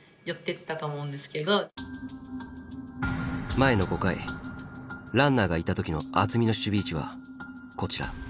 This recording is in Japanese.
前の５回ランナーがいた時の渥美の守備位置はこちら。